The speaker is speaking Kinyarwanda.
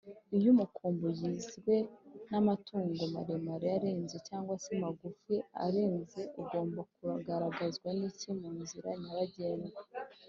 iyo umukumbi ugizwe n’amatungo maremare arenze cg se amagufi arenze ugomba kugaragazwa n’iki munzira nyabagendwa